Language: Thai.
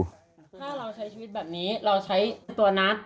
ถ้าเราใช้ชีวิตแบบนี้เราใช้ตัวนัด